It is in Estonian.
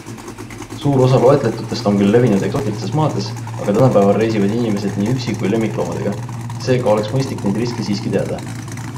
Suur osa loetletutest on küll levinud eksootilistes maades, aga tänapäeval reisivad inimesed nii üksi kui lemmikloomadega, seega oleks mõistlik neid riske siiski teada.